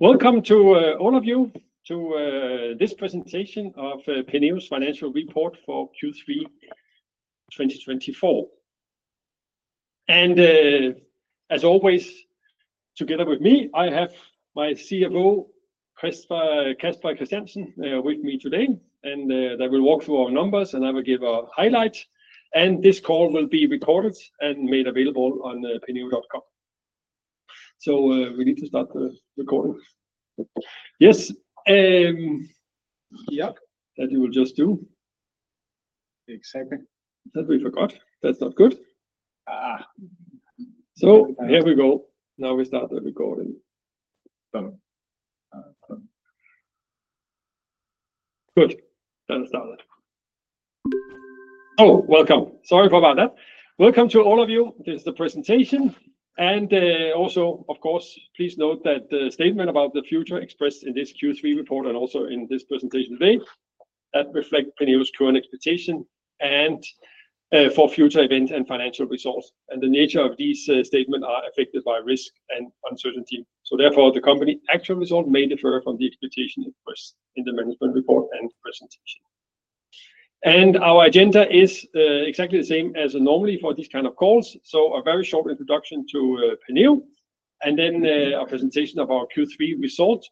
Welcome to all of you to this presentation of Penneo's Financial Report for Q3 2024, and as always, together with me, I have my CFO, Casper Christiansen, with me today, and they will walk through our numbers, and I will give a highlight, and this call will be recorded and made available on penneo.com, so we need to start the recording. Yes. Yeah, that you will just do. Exactly. That we forgot. That's not good. So here we go. Now we start the recording. Good. That started. Oh, welcome. Sorry about that. Welcome to all of you. This is the presentation, and also, of course, please note that the statement about the future expressed in this Q3 report and also in this presentation today that reflects Penneo's current expectation for future events and financial results, and the nature of these statements is affected by risk and uncertainty, so therefore, the company's actual result may differ from the expectation expressed in the management report and presentation, and our agenda is exactly the same as normally for these kinds of calls, so a very short introduction to Penneo, and then a presentation of our Q3 result,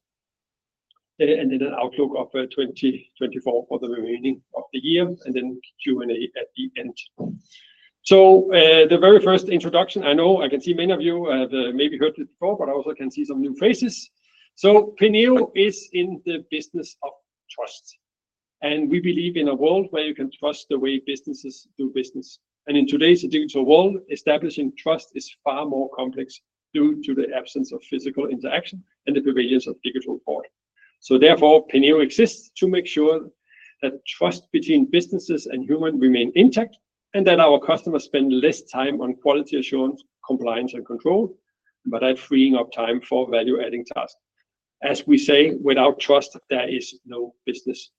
and then an outlook of 2024 for the remaining of the year, and then Q&A at the end. So the very first introduction, I know I can see many of you have maybe heard this before, but I also can see some new faces. Penneo is in the business of trust. We believe in a world where you can trust the way businesses do business. In today's digital world, establishing trust is far more complex due to the absence of physical interaction and the proliferation of digital fraud. Therefore, Penneo exists to make sure that trust between businesses and humans remains intact and that our customers spend less time on quality assurance, compliance, and control, freeing up time for value-adding tasks. As we say, without trust, there is no business.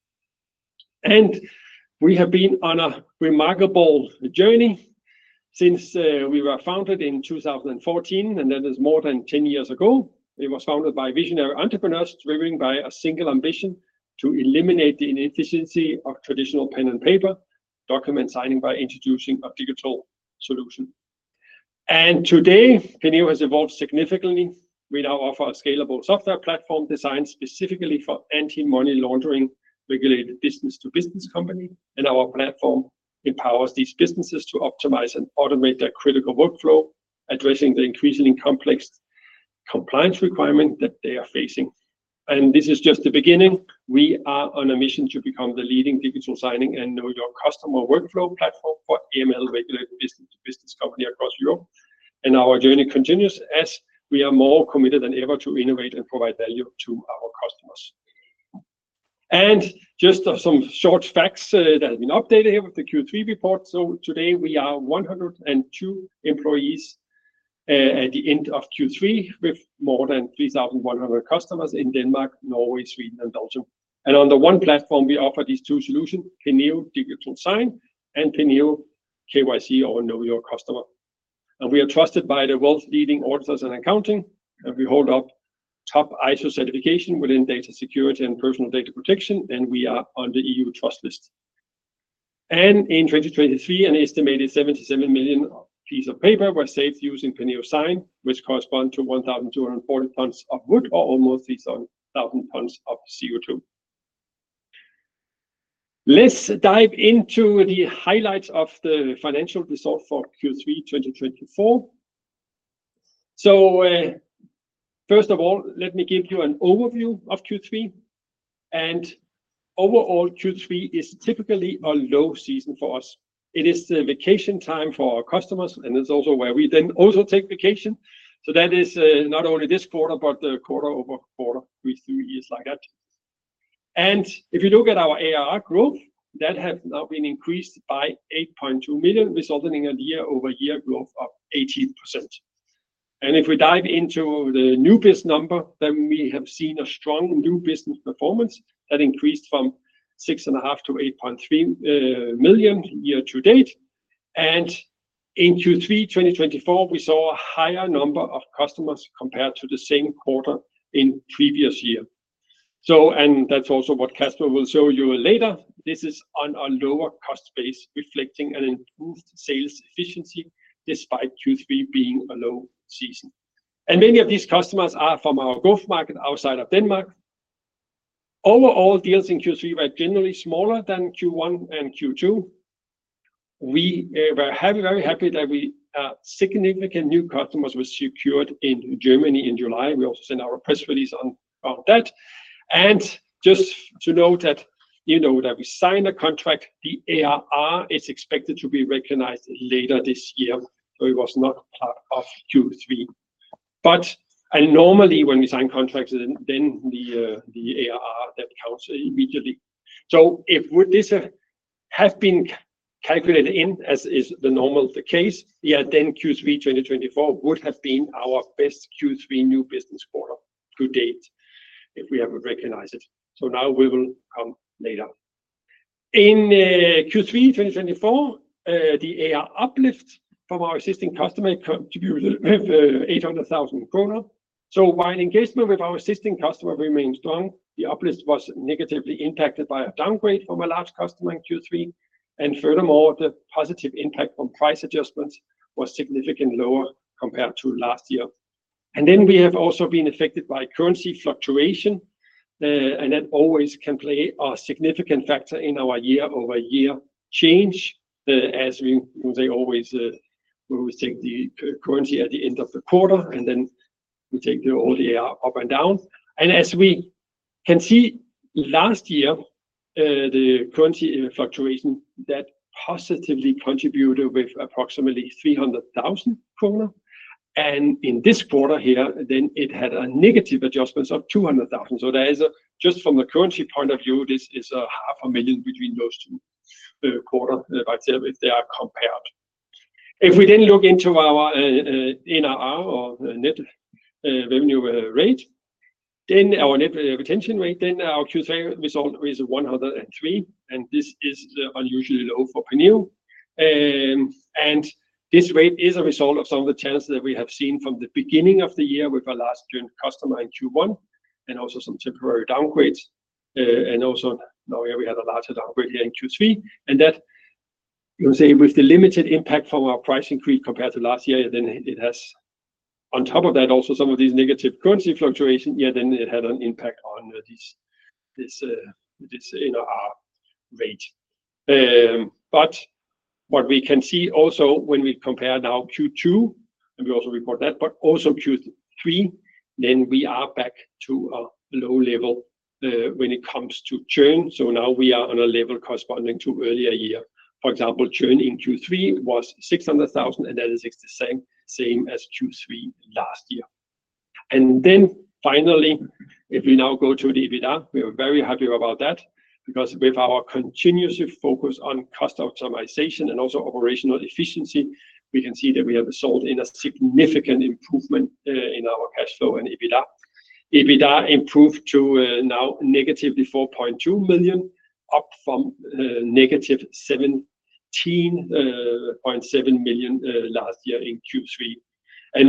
We have been on a remarkable journey since we were founded in 2014, and that is more than 10 years ago. It was founded by visionary entrepreneurs driven by a single ambition to eliminate the inefficiency of traditional pen and paper document signing by introducing a digital solution, and today, Penneo has evolved significantly. We now offer a scalable software platform designed specifically for anti-money laundering regulated business-to-business companies, and our platform empowers these businesses to optimize and automate their critical workflow, addressing the increasingly complex compliance requirements that they are facing, and this is just the beginning. We are on a mission to become the leading digital signing and know your customer workflow platform for AML-regulated business-to-business companies across Europe, and our journey continues as we are more committed than ever to innovate and provide value to our customers, and just some short facts that have been updated here with the Q3 report. Today, we are 102 employees at the end of Q3 with more than 3,100 customers in Denmark, Norway, Sweden, and Belgium. On the one platform, we offer these two solutions, Penneo Digital Sign and Penneo KYC or Know Your Customer. We are trusted by the world's leading auditors and accounting. We hold up top ISO certification within data security and personal data protection, and we are on the EU Trust List. In 2023, an estimated 77 million pieces of paper were saved using Penneo Sign, which corresponds to 1,240 tons of wood or almost 3,000 tons of CO2. Let's dive into the highlights of the financial result for Q3 2024. First of all, let me give you an overview of Q3. Overall, Q3 is typically a low season for us. It is the vacation time for our customers, and it's also where we then also take vacation, so that is not only this quarter, but the quarter over quarter, Q3 is like that, and if you look at our ARR growth, that has now been increased by 8.2 million, resulting in a year-over-year growth of 18%, and if we dive into the new business number, then we have seen a strong new business performance that increased from 6.5 million to 8.3 million year-to-date, and in Q3 2024, we saw a higher number of customers compared to the same quarter in the previous year, so, and that's also what Casper will show you later, this is on a lower cost base, reflecting an improved sales efficiency despite Q3 being a low season, and many of these customers are from our growth market outside of Denmark. Overall, deals in Q3 were generally smaller than Q1 and Q2. We were very happy that significant new customers were secured in Germany in July. We also sent our press release around that. And just to note that you know that we signed a contract, the ARR is expected to be recognized later this year. So it was not part of Q3. But normally, when we sign contracts, then the ARR counts immediately. So if this has been calculated in, as is the normal case, yeah, then Q3 2024 would have been our best Q3 new business quarter to date if we have recognized it. So now we will come later. In Q3 2024, the ARR uplift from our existing customer contributed 800,000 kroner. So while engagement with our existing customer remained strong, the uplift was negatively impacted by a downgrade from a large customer in Q3. Furthermore, the positive impact from price adjustments was significantly lower compared to last year. We have also been affected by currency fluctuation. That always can play a significant factor in our year-over-year change, as we always take the currency at the end of the quarter, and then we take all the ARR up and down. As we can see, last year, the currency fluctuation positively contributed with approximately 300,000 kroner. In this quarter here, it had a negative adjustment of 200,000. From the currency point of view, this is 0.5 million between those two quarters if they are compared. If we then look into our NRR or net revenue rate, then our net retention rate, our Q3 result is 103%. This is unusually low for Penneo. This rate is a result of some of the challenges that we have seen from the beginning of the year with our last joint customer in Q1 and also some temporary downgrades. Also now we had a larger downgrade here in Q3. That, you can say, with the limited impact from our price increase compared to last year, then it has, on top of that, also some of these negative currency fluctuations, yeah, then it had an impact on this NRR rate. But what we can see also when we compare now Q2, and we also report that, but also Q3, then we are back to a low level when it comes to churn. Now we are on a level corresponding to earlier year. For example, churn in Q3 was 600,000, and that is the same as Q3 last year. Finally, if we now go to the EBITDA, we are very happy about that because with our continuous focus on cost optimization and also operational efficiency, we can see that we have resulted in a significant improvement in our cash flow and EBITDA. EBITDA improved to -4.2 million, up from -17.7 million last year in Q3.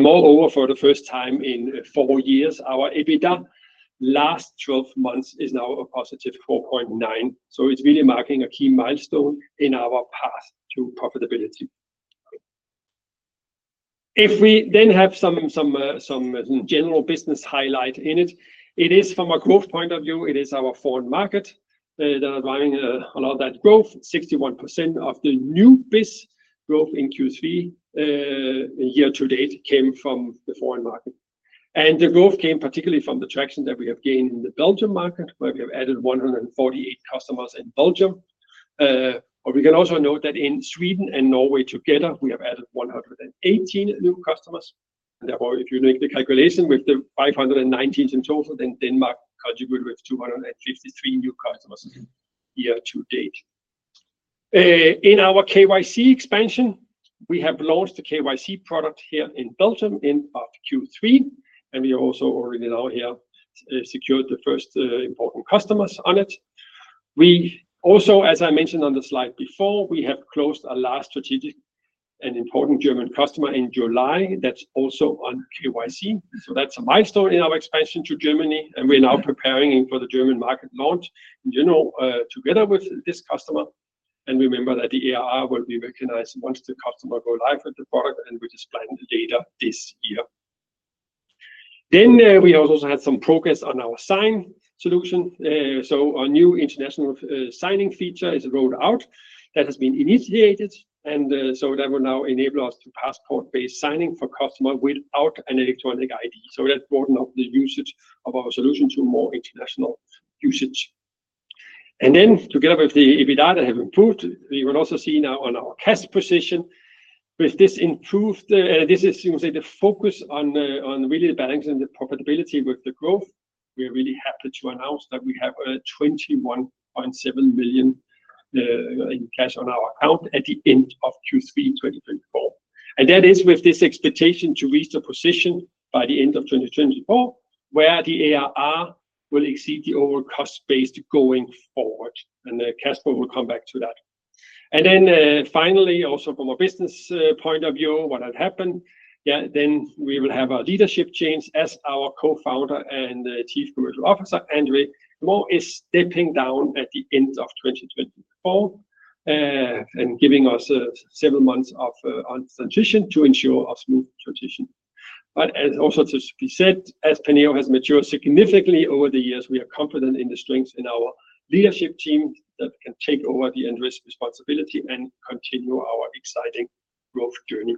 Moreover, for the first time in four years, our EBITDA last 12 months is now a +4.9 million. It's really marking a key milestone in our path to profitability. If we then have some general business highlight in it, it is from a growth point of view, it is our foreign market that is driving a lot of that growth. 61% of the new business growth in Q3 year-to-date came from the foreign market. The growth came particularly from the traction that we have gained in the Belgium market, where we have added 148 customers in Belgium. We can also note that in Sweden and Norway together, we have added 118 new customers. Therefore, if you make the calculation with the 519 in total, then Denmark contributed with 253 new customers year-to-date. In our KYC expansion, we have launched the KYC product here in Belgium in Q3. We also already now here secured the first important customers on it. We also, as I mentioned on the slide before, we have closed a last strategic and important German customer in July that's also on KYC. That's a milestone in our expansion to Germany. We're now preparing for the German market launch in general together with this customer. Remember that the ARR will be recognized once the customer goes live with the product, and we just plan later this year. We also had some progress on our sign solution. A new international signing feature is rolled out that has been initiated. That will now enable us to passport-based signing for customers without an electronic ID. That broadened up the usage of our solution to more international usage. Together with the EBITDA that have improved, we will also see now on our cash position. With this improved, this is the focus on really balancing the profitability with the growth. We are really happy to announce that we have 21.7 million in cash on our account at the end of Q3 2024. And that is with this expectation to reach the position by the end of 2024 where the ARR will exceed the overall cost base going forward. And Casper will come back to that. And then finally, also from a business point of view, what has happened, yeah, then we will have our leadership change as our Co-founder and Chief Commercial Officer, Andrew Wall, is stepping down at the end of 2024 and giving us several months of transition to ensure a smooth transition. But as also to be said, as Penneo has matured significantly over the years, we are confident in the strength in our leadership team that can take over the end-to-end responsibility and continue our exciting growth journey.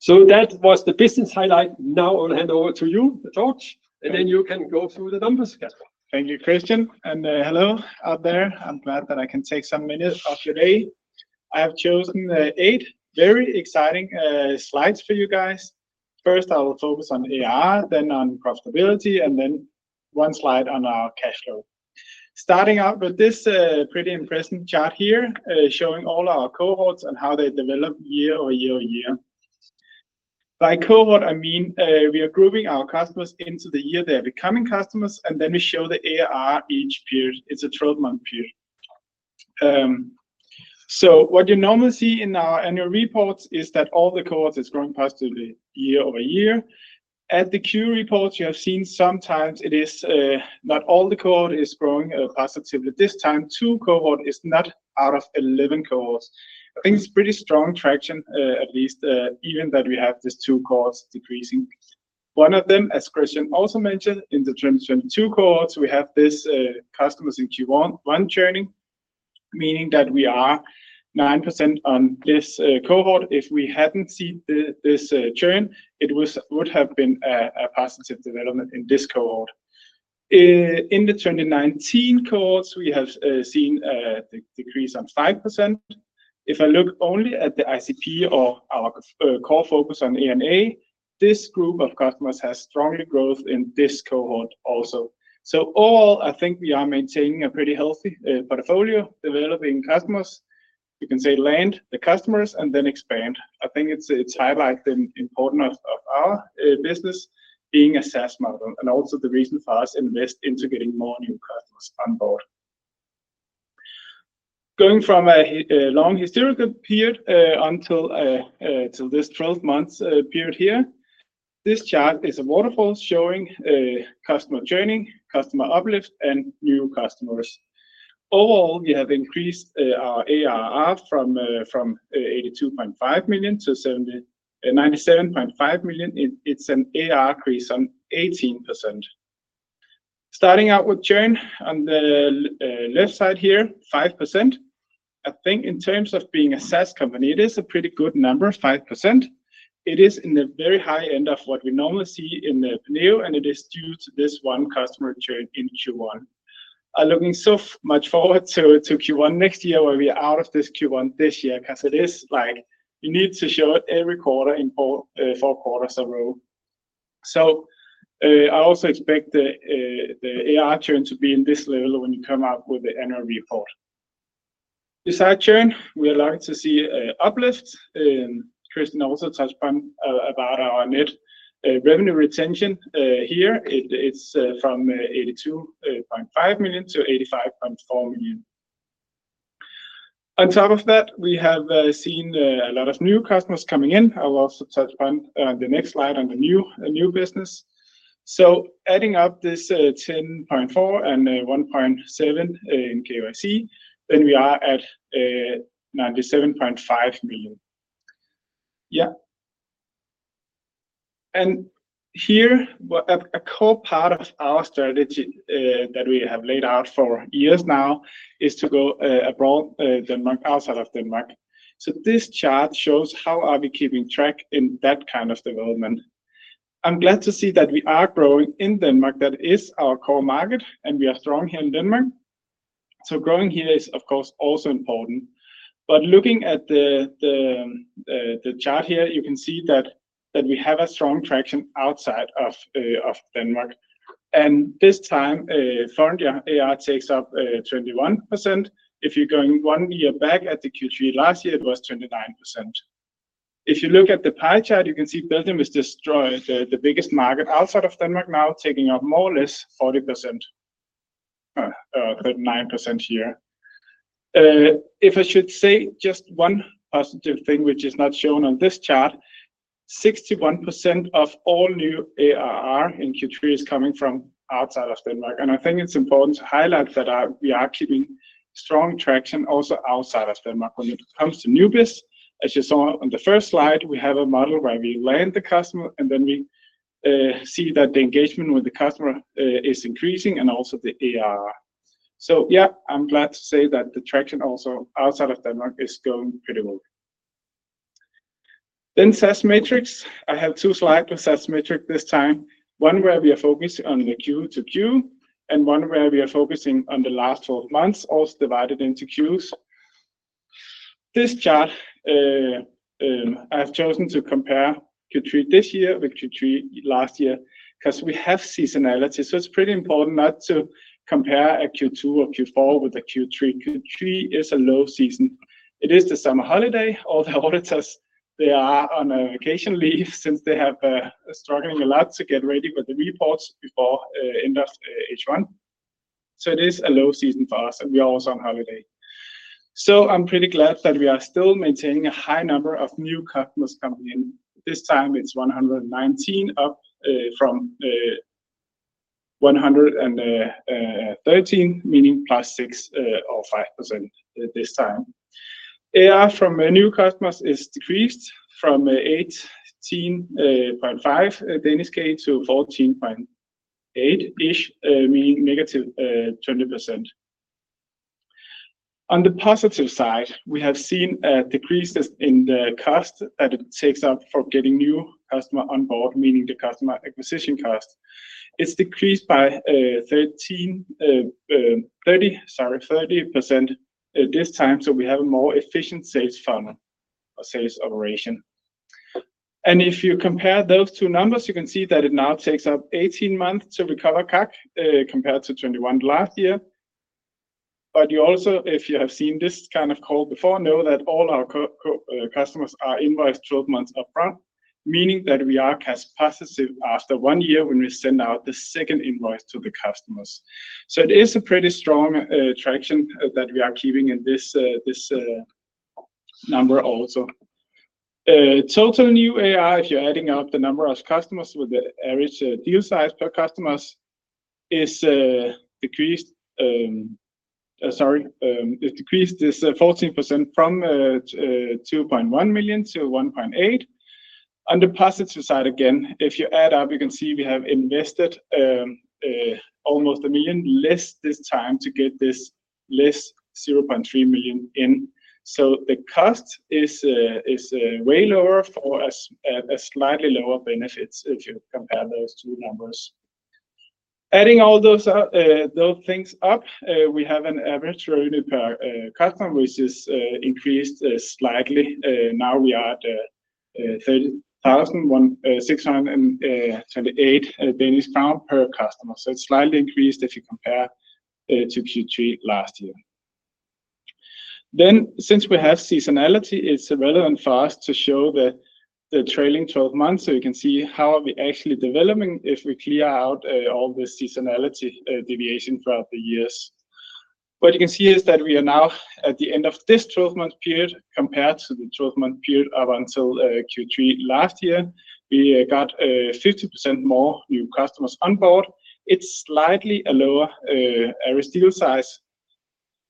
So that was the business highlight. Now I will hand over to you, Casper, and then you can go through the numbers, Casper. Thank you, Christian. And hello out there. I'm glad that I can take some minutes of your day. I have chosen eight very exciting slides for you guys. First, I will focus on ARR, then on profitability, and then one slide on our cash flow. Starting out with this pretty impressive chart here showing all our cohorts and how they develop year-over-year over year. By cohort, I mean we are grouping our customers into the year they're becoming customers, and then we show the ARR each period. It's a 12-month period. So what you normally see in our annual reports is that all the cohorts are growing positively year-over-year. At the Q reports, you have seen sometimes it is not all the cohorts are growing positively this time. Two cohorts are not out of 11 cohorts. I think it's pretty strong traction, at least even that we have these two cohorts decreasing. One of them, as Christian also mentioned, in the 2022 cohorts, we have these customers in Q1 churning, meaning that we are 9% on this cohort. If we hadn't seen this churn, it would have been a positive development in this cohort. In the 2019 cohorts, we have seen a decrease of 5%. If I look only at the ICP or our core focus on A&A, this group of customers has strongly grown in this cohort also. So overall, I think we are maintaining a pretty healthy portfolio, developing customers. We can say land the customers and then expand. I think it's highlighted the importance of our business being a SaaS model and also the reason for us to invest in getting more new customers on board. Going from a long historical period until this 12-month period here, this chart is a waterfall showing customer churn, customer uplift, and new customers. Overall, we have increased our ARR from 82.5 million to 97.5 million. It's an ARR increase of 18%. Starting out with churn on the left side here, 5%. I think in terms of being a SaaS company, it is a pretty good number, 5%. It is in the very high end of what we normally see in Penneo, and it is due to this one customer churn in Q1. I'm looking so much forward to Q1 next year where we are out of this Q1 this year because it is like we need to show it every quarter in four quarters in a row. So I also expect the ARR churn to be in this level when you come up with the annual report. Besides churn, we are likely to see uplift. Christian also touched on about our net revenue retention here. It's from 82.5 million to 85.4 million. On top of that, we have seen a lot of new customers coming in. I will also touch on the next slide on the new business. So adding up this 10.4 and 1.7 in KYC, then we are at 97.5 million. Yeah. And here, a core part of our strategy that we have laid out for years now is to go abroad, Denmark, outside of Denmark. So this chart shows how are we keeping track in that kind of development. I'm glad to see that we are growing in Denmark. That is our core market, and we are strong here in Denmark. So growing here is, of course, also important. But looking at the chart here, you can see that we have a strong traction outside of Denmark. And this time, Penneo ARR takes up 21%. If you're going one year back at the Q3 last year, it was 29%. If you look at the pie chart, you can see Belgium is the biggest market outside of Denmark now, taking up more or less 40%, 39% here. If I should say just one positive thing, which is not shown on this chart, 61% of all new ARR in Q3 is coming from outside of Denmark. And I think it's important to highlight that we are keeping strong traction also outside of Denmark. When it comes to new business, as you saw on the first slide, we have a model where we land the customer, and then we see that the engagement with the customer is increasing and also the ARR. So yeah, I'm glad to say that the traction also outside of Denmark is going pretty well. Then SaaS metrics. I have two slides with SaaS metrics this time. One where we are focusing on the Q-to-Q and one where we are focusing on the last 12 months, also divided into Qs. This chart, I've chosen to compare Q3 this year with Q3 last year because we have seasonality. So it's pretty important not to compare a Q2 or Q4 with a Q3. Q3 is a low season. It is the summer holiday. All the auditors, they are on vacation leave since they have been struggling a lot to get ready with the reports before end of H1. So it is a low season for us, and we are also on holiday. So I'm pretty glad that we are still maintaining a high number of new customers coming in. This time, it's 119 up from 113, meaning plus six or 5% this time. ARR from new customers is decreased from 18.5 in this case to 14.8-ish, meaning -20%. On the positive side, we have seen a decrease in the cost that it takes up for getting new customers on board, meaning the customer acquisition cost. It's decreased by 30% this time, so we have a more efficient sales funnel or sales operation. If you compare those two numbers, you can see that it now takes up 18 months to recover CAC compared to 21 last year. You also, if you have seen this kind of call before, know that all our customers are invoiced 12 months upfront, meaning that we are positive after one year when we send out the second invoice to the customers. It is a pretty strong traction that we are keeping in this number also. Total new ARR, if you're adding up the number of customers with the average deal size per customer, is decreased. Sorry, it decreased this 14% from 2.1 million to 1.8 million. On the positive side again, if you add up, you can see we have invested almost 1 million less this time to get this less 0.3 million in. So the cost is way lower for us at slightly lower benefits if you compare those two numbers. Adding all those things up, we have an average revenue per customer, which has increased slightly. Now we are at 30,628 Danish crown per customer. So it's slightly increased if you compare to Q3 last year. Then, since we have seasonality, it's relevant for us to show the trailing 12 months so you can see how are we actually developing if we clear out all the seasonality deviation throughout the years. What you can see is that we are now at the end of this 12-month period compared to the 12-month period up until Q3 last year. We got 50% more new customers on board. It's slightly a lower average deal size,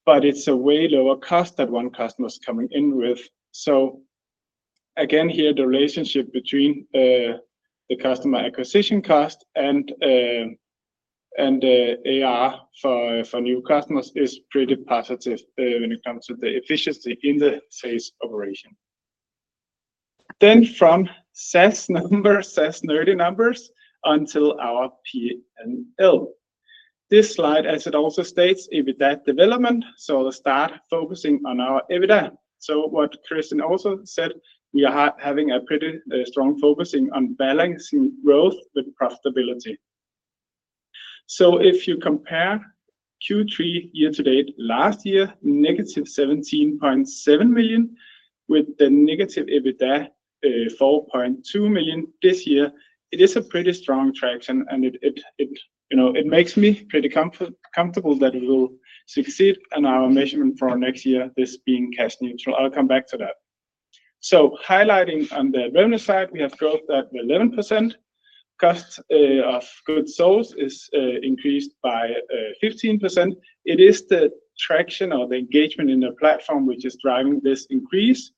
but it's a way lower cost that one customer is coming in with. So again, here, the relationship between the customer acquisition cost and ARR for new customers is pretty positive when it comes to the efficiency in the sales operation. Then from SaaS numbers, SaaS nerdy numbers until our PNL. This slide, as it also states, EBITDA development. So I'll start focusing on our EBITDA. So what Christian also said, we are having a pretty strong focus on balancing growth with profitability. So if you compare Q3 year to date last year, -17.7 million with the negative EBITDA 4.2 million this year, it is a pretty strong traction. And it makes me pretty comfortable that it will succeed on our measurement for next year, this being cash neutral. I'll come back to that. So highlighting on the revenue side, we have growth at 11%. Cost of goods sold is increased by 15%. It is the traction or the engagement in the platform which is driving this increase.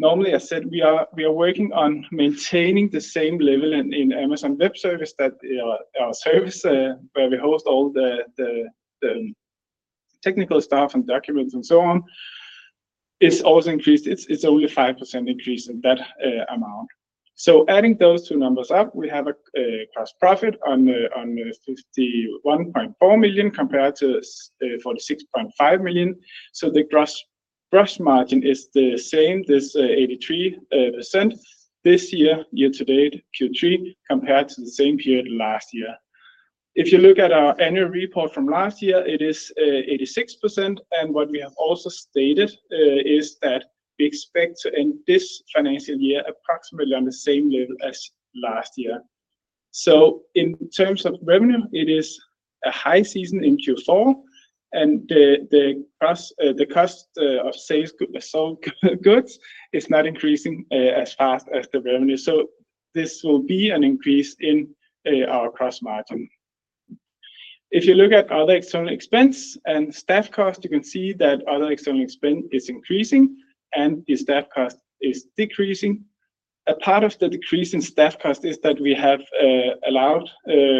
Normally, I said we are working on maintaining the same level in Amazon Web Services, that's our service where we host all the technical stuff and documents and so on. It's also increased. It's only a 5% increase in that amount. So adding those two numbers up, we have a gross profit of 51.4 million compared to 46.5 million. So the gross margin is the same, this 83% this year, year to date, Q3 compared to the same period last year. If you look at our annual report from last year, it is 86%, and what we have also stated is that we expect to end this financial year approximately on the same level as last year, so in terms of revenue, it is a high season in Q4. The cost of sales of goods is not increasing as fast as the revenue. This will be an increase in our gross margin. If you look at other external expense and staff cost, you can see that other external expense is increasing and the staff cost is decreasing. A part of the decrease in staff cost is that we have allowed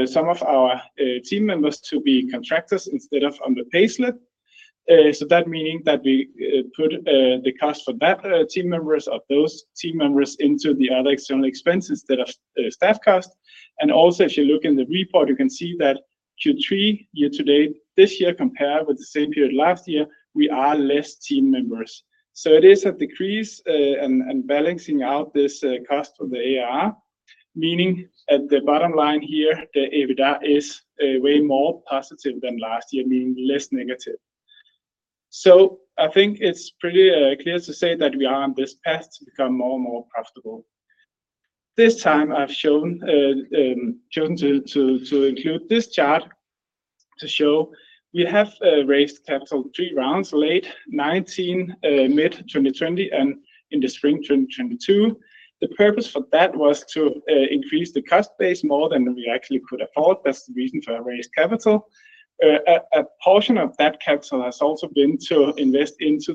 some of our team members to be contractors instead of on the payslip. That meaning that we put the cost for that team members or those team members into the other external expense instead of staff cost. Also, if you look in the report, you can see that Q3 year to date this year compared with the same period last year, we are less team members. So it is a decrease and balancing out this cost of the ARR, meaning at the bottom line here, the EBITDA is way more positive than last year, meaning less negative. So I think it's pretty clear to say that we are on this path to become more and more profitable. This time, I've chosen to include this chart to show we have raised capital three rounds late 2019, mid-2020, and in the spring 2022. The purpose for that was to increase the cost base more than we actually could afford. That's the reason for our raised capital. A portion of that capital has also been to invest into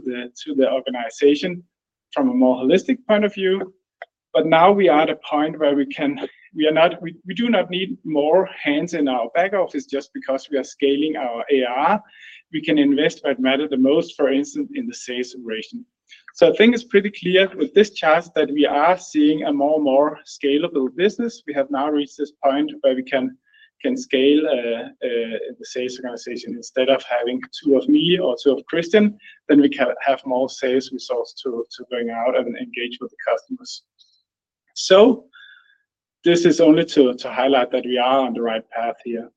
the organization from a more holistic point of view. But now we are at a point where we do not need more hands in our back office just because we are scaling our ARR. We can invest what matters the most, for instance, in the sales operation. So I think it's pretty clear with this chart that we are seeing a more and more scalable business. We have now reached this point where we can scale the sales organization instead of having two of me or two of Christian. Then we can have more sales results to bring out and engage with the customers. So this is only to highlight that we are on the right path here.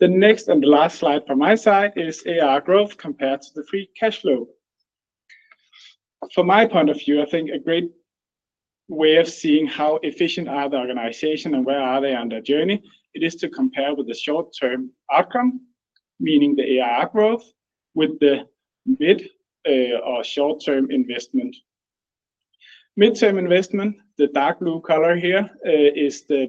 The next and the last slide from my side is ARR growth compared to the free cash flow. From my point of view, I think a great way of seeing how efficient are the organization and where are they on their journey, it is to compare with the short-term outcome, meaning the ARR growth with the mid or short-term investment. Mid-term investment, the dark blue color here is the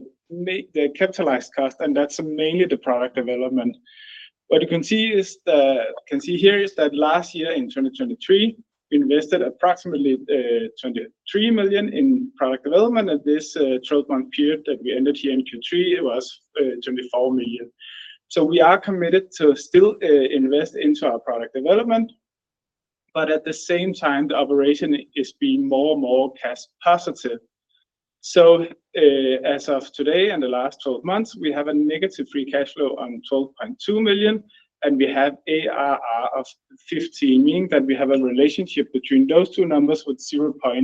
capitalized cost, and that's mainly the product development. What you can see is that last year in 2023, we invested approximately 23 million in product development. And this 12-month period that we ended here in Q3 was 24 million. So we are committed to still invest into our product development. But at the same time, the operation is being more and more cash positive. So as of today and the last 12 months, we have a negative free cash flow on 12.2 million, and we have ARR of 15 million, meaning that we have a relationship between those two numbers with 0.8.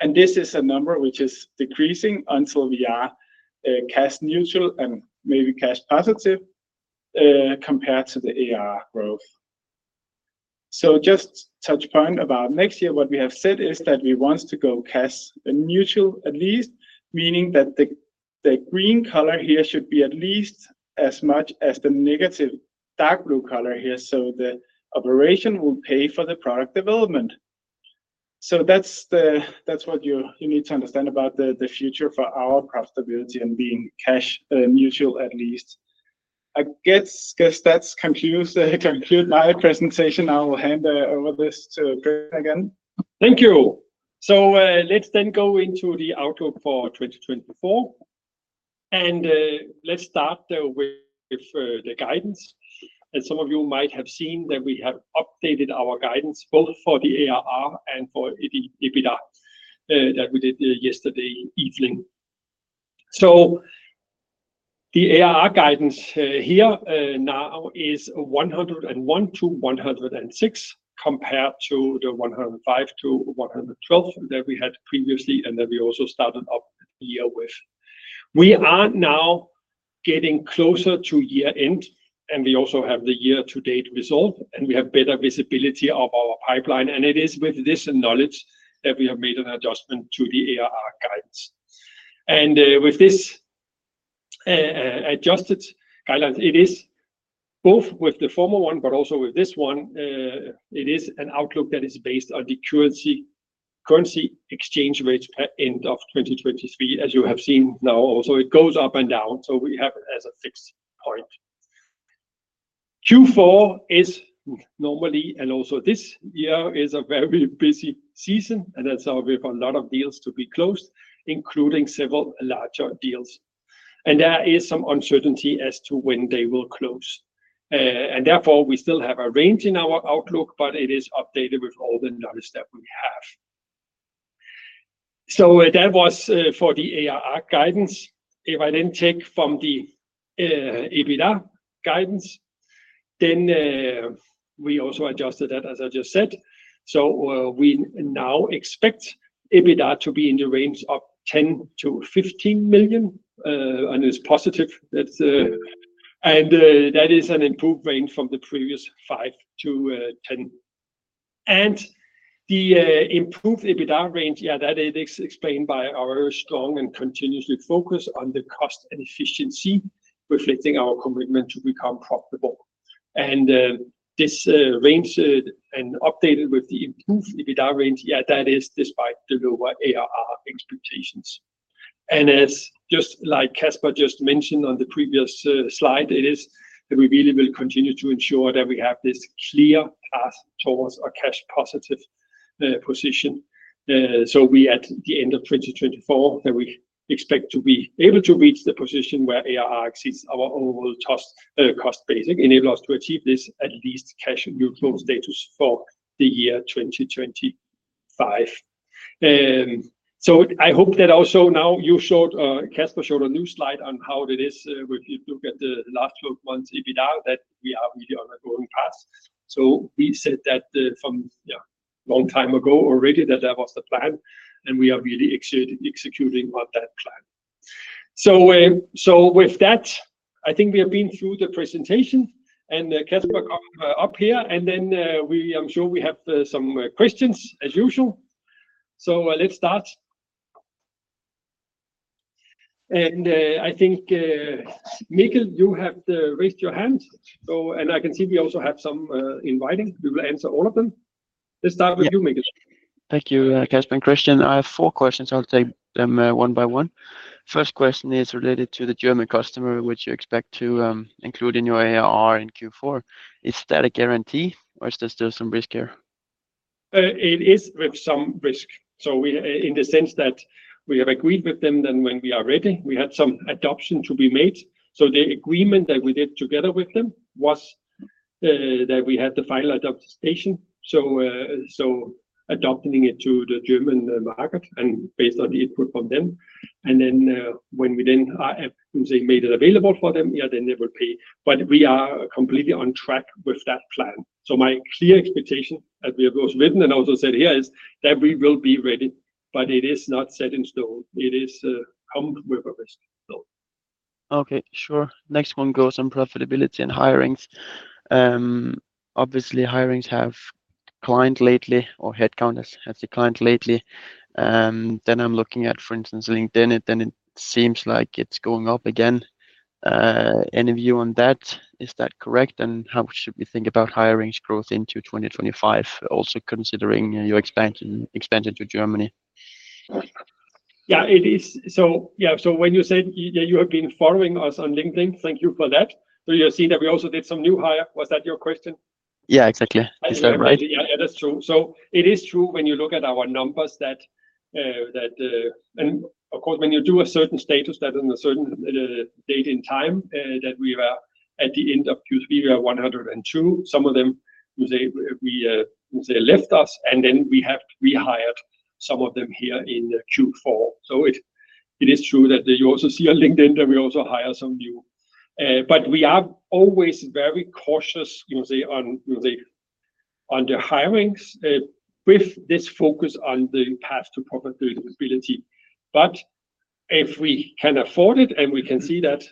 And this is a number which is decreasing until we are cash neutral and maybe cash positive compared to the ARR growth. So, just a touch point about next year, what we have said is that we want to go cash neutral at least, meaning that the green color here should be at least as much as the negative dark blue color here. So the operation will pay for the product development. So that's what you need to understand about the future for our profitability and being cash neutral at least. I guess that's conclude my presentation. I will hand over this to Chris again. Thank you. So let's then go into the outlook for 2024. And let's start with the guidance. And some of you might have seen that we have updated our guidance both for the ARR and for EBITDA that we did yesterday evening. The ARR guidance here now is 101 million-106 million compared to the 105 million-112 million that we had previously and that we also started up the year with. We are now getting closer to year end, and we also have the year-to-date result, and we have better visibility of our pipeline. It is with this knowledge that we have made an adjustment to the ARR guidance. With this adjusted guideline, it is both with the former one, but also with this one, it is an outlook that is based on the currency exchange rate at end of 2023, as you have seen now. Also, it goes up and down. We have it as a fixed point. Q4 is normally, and also this year is a very busy season, and that's how we have a lot of deals to be closed, including several larger deals. There is some uncertainty as to when they will close. Therefore, we still have a range in our outlook, but it is updated with all the knowledge that we have. That was for the ARR guidance. If I then take from the EBITDA guidance, we also adjusted that, as I just said. We now expect EBITDA to be in the range of 10 million-15 million, and it's positive. That is an improved range from the previous 5 million-10 million. The improved EBITDA range, yeah, is explained by our strong and continuous focus on the cost and efficiency, reflecting our commitment to become profitable. This range is updated with the improved EBITDA range, yeah, despite the lower ARR expectations. As just like Casper just mentioned on the previous slide, it is that we really will continue to ensure that we have this clear path towards a cash positive position. We at the end of 2024 expect to be able to reach the position where ARR exceeds our overall cost base, enables us to achieve this at least cash neutral status for the year 2025. I hope that also now you showed Casper showed a new slide on how it is if you look at the last 12 months EBITDA that we are really on a growing path. We said that from a long time ago already that that was the plan, and we are really executing on that plan. With that, I think we have been through the presentation, and Casper, come up here, and then I'm sure we have some questions as usual. So let's start. And I think, Michael, you have raised your hand. And I can see we also have some in writing. We will answer all of them. Let's start with you, Michael. Thank you, Casper and Christian. I have four questions. I'll take them one by one. First question is related to the German customer, which you expect to include in your ARR in Q4. Is that a guarantee, or is there still some risk here? It is with some risk. So in the sense that we have agreed with them, then when we are ready, we had some adaptations to be made. So the agreement that we did together with them was that we had the final adaptation. Adopting it to the German market and based on the input from them. And then when we then made it available for them, yeah, then they will pay. But we are completely on track with that plan. My clear expectation as we have also written and also said here is that we will be ready, but it is not set in stone. It comes with a risk. Okay, sure. Next one goes on profitability and hirings. Obviously, hirings have slowed lately or headcounts have slowed lately. Then I'm looking at, for instance, LinkedIn. Then it seems like it's going up again. Any view on that? Is that correct? How should we think about hirings growth into 2025, also considering your expansion to Germany? Yeah, it is. Yeah, so when you said you have been following us on LinkedIn, thank you for that. So you have seen that we also did some new hire. Was that your question? Yeah, exactly. Is that right? Yeah, that's true. So it is true when you look at our numbers that, and of course, when you do a certain status that in a certain date in time that we were at the end of Q3, we are 102. Some of them, you say, left us, and then we have rehired some of them here in Q4. So it is true that you also see on LinkedIn that we also hire some new. But we are always very cautious on the hirings with this focus on the path to profitability. But if we can afford it and we can see that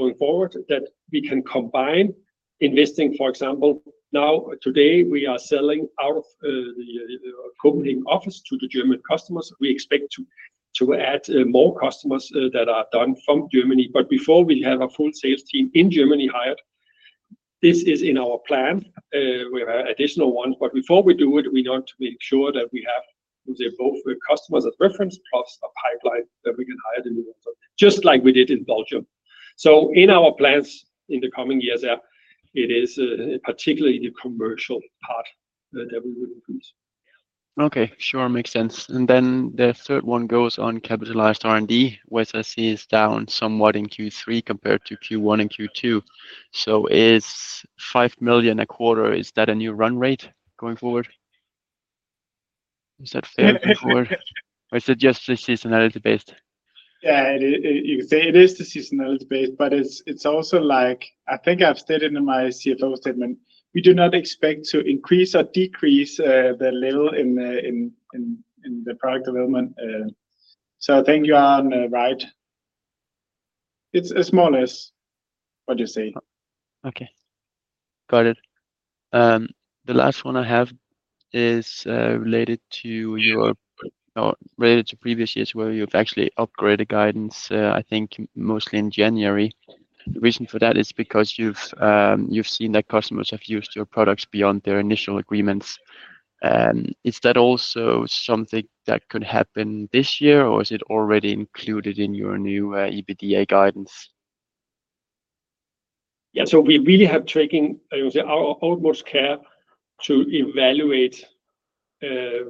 going forward, that we can combine investing, for example, now today we are selling out of the country office to the German customers. We expect to add more customers that are done from Germany. But before we have a full sales team in Germany hired, this is in our plan. We have additional ones. But before we do it, we want to make sure that we have both customers as reference plus a pipeline that we can hire the new ones, just like we did in Belgium. So in our plans in the coming years, it is particularly the commercial part that we will increase. Okay, sure. Makes sense. And then the third one goes on capitalized R&D, which I see is down somewhat in Q3 compared to Q1 and Q2. So is 5 million a quarter a new run rate going forward? Is that fair going forward? Is it just the seasonality based? Yeah, you could say it is the seasonality based, but it's also like, I think I've stated in my CFO statement, we do not expect to increase or decrease the level in the product development. So I think you are on the right. It's a small S, what you say. Okay. Got it. The last one I have is related to previous years where you've actually upgraded guidance, I think mostly in January. The reason for that is because you've seen that customers have used your products beyond their initial agreements. Is that also something that could happen this year, or is it already included in your new EBITDA guidance? Yeah, so we really have taken our utmost care to evaluate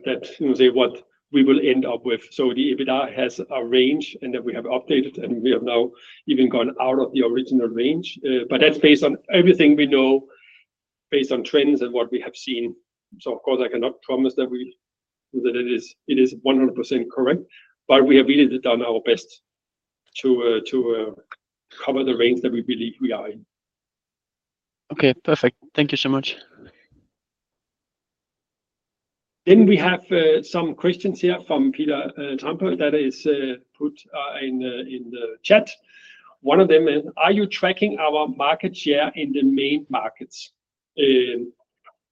what we will end up with. The EBITDA has a range and that we have updated, and we have now even gone out of the original range. But that's based on everything we know, based on trends and what we have seen. So of course, I cannot promise that it is 100% correct, but we have really done our best to cover the range that we believe we are in. Okay, perfect. Thank you so much. Then we have some questions here from Peter Temple that is put in the chat. One of them is, "Are you tracking our market share in the main markets?"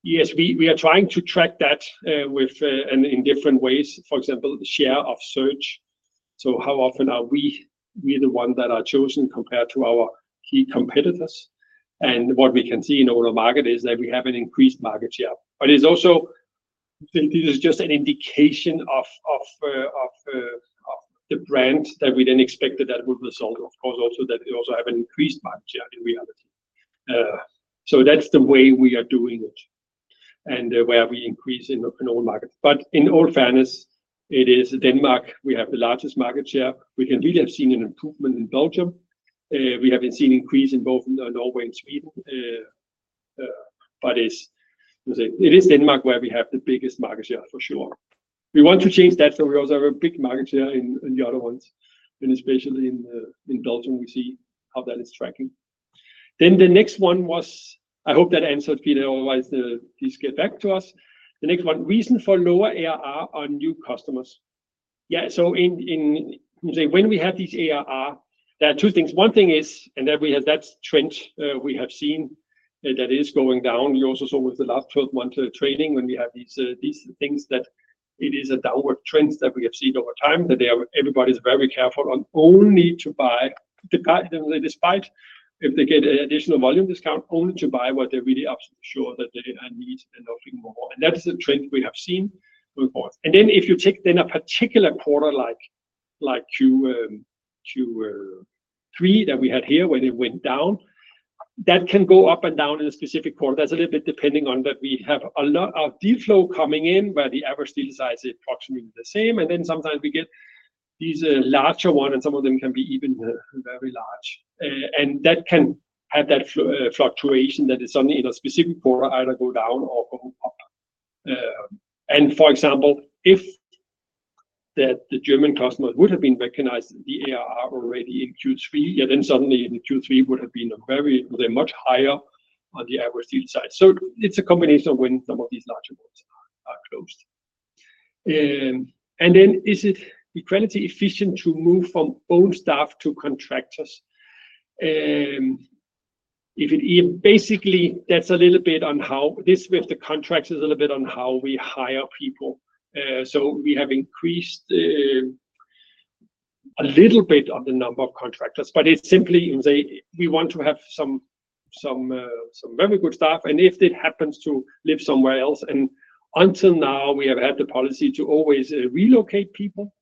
Yes, we are trying to track that in different ways. For example, share of search. So how often are we the ones that are chosen compared to our key competitors? And what we can see in our market is that we have an increased market share. But it's also just an indication of the brand that we then expected that would result, of course, also that we also have an increased market share in reality. So that's the way we are doing it and where we increase in all markets. But in all fairness, it is Denmark. We have the largest market share. We can really have seen an improvement in Belgium. We have seen an increase in both Norway and Sweden. But it is Denmark where we have the biggest market share for sure. We want to change that. So we also have a big market share in the other ones. And especially in Belgium, we see how that is tracking. Then the next one was, I hope that answered Peter. Otherwise, please get back to us. The next one, reason for lower ARR on new customers. Yeah, so when we have these ARR, there are two things. One thing is, and that's a trend we have seen that is going down. We also saw with the last 12 months of trailing when we have these things that it is a downward trend that we have seen over time that everybody is very careful on only to buy, despite if they get an additional volume discount, only to buy what they're really sure that they need and nothing more. And that's the trend we have seen going forward. And then if you take then a particular quarter like Q3 that we had here where it went down, that can go up and down in a specific quarter. That's a little bit depending on that we have a lot of deal flow coming in where the average deal size is approximately the same. And then sometimes we get these larger ones, and some of them can be even very large. And that can have that fluctuation that is suddenly in a specific quarter either go down or go up. And for example, if the German customers would have been recognized the ARR already in Q3, yeah, then suddenly in Q3 would have been very much higher on the average deal size. So it's a combination of when some of these larger ones are closed. And then is it equally efficient to move from own staff to contractors? Basically, that's a little bit on how this with the contractors is a little bit on how we hire people. So we have increased a little bit of the number of contractors, but it's simply we want to have some very good staff. If it happens to live somewhere else, and until now, we have had the policy to always relocate people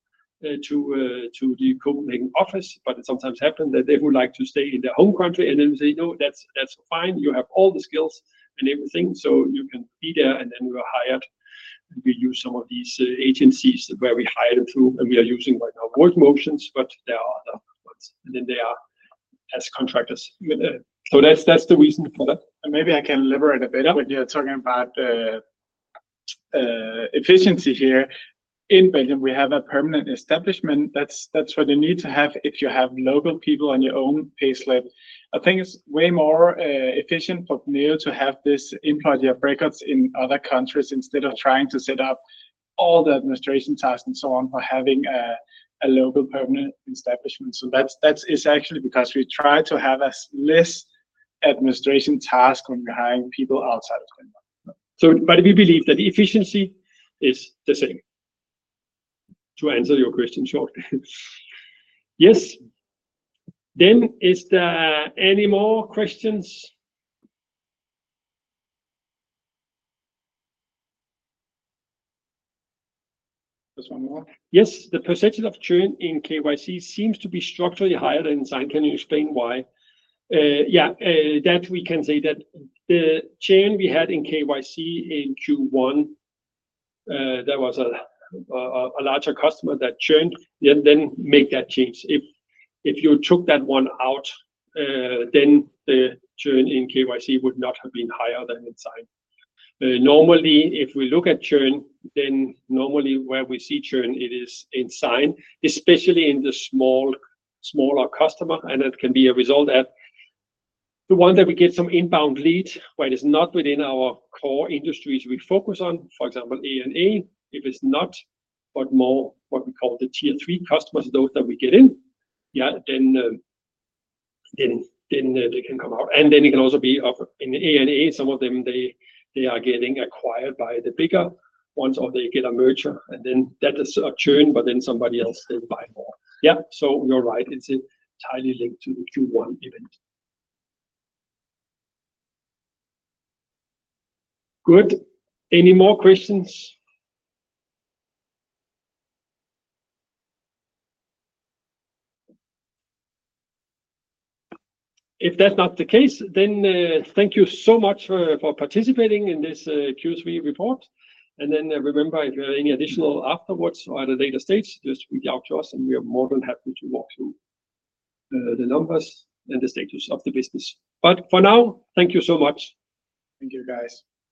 to the Copenhagen office, but it sometimes happens that they would like to stay in their home country. Then we say, no, that's fine. You have all the skills and everything, so you can be there. Then we were hired. We use some of these agencies where we hired them through, and we are using right now WorkMotion, but there are other ones. Then they are as contractors. So that's the reason for that. Maybe I can elaborate a bit when you're talking about efficiency here. In Belgium, we have a permanent establishment. That's what you need to have if you have local people on your own payslip. I think it's way more efficient for Penneo to have this Employer of Record in other countries instead of trying to set up all the administration tasks and so on for having a local permanent establishment. So that is actually because we try to have as less administration tasks when we're hiring people outside of Denmark. But we believe that efficiency is the same. To answer your question shortly. Yes. Then is there any more questions? Just one more. Yes. The percentage of churn in KYC seems to be structurally higher than in sign. Can you explain why? Yeah, that we can say that the churn we had in KYC in Q1, there was a larger customer that churned, then make that change. If you took that one out, then the churn in KYC would not have been higher than in sign. Normally, if we look at churn, then normally where we see churn, it is in sign, especially in the smaller customer. And it can be a result that the one that we get some inbound lead where it is not within our core industries we focus on, for example, A&A. If it's not, but more what we call the tier three customers, those that we get in, yeah, then they can come out. And then it can also be in A&A. Some of them, they are getting acquired by the bigger ones or they get a merger. And then that is a churn, but then somebody else will buy more. Yeah, so you're right. It's entirely linked to the Q1 event. Good. Any more questions? If that's not the case, then thank you so much for participating in this Q3 report. Then remember, if you have any additional afterward or at a later stage, just reach out to us, and we are more than happy to walk through the numbers and the status of the business. But for now, thank you so much. Thank you, guys.